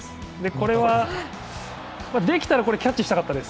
これは、できたらキャッチしたかったです。